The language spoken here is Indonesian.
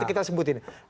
kita sebut ini